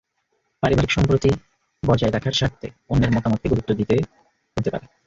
পারিবারিক সম্প্রতি বজায় রাখার স্বার্থে অন্যের মতামতকে গুরুত্ব দিতে হতে পারে।